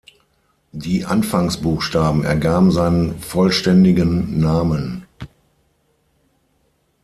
Die Anfangsbuchstaben ergaben seinen vollständigen Namen.